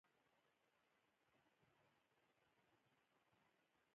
د ادرار د بندیدو لپاره په ګرمو اوبو کینئ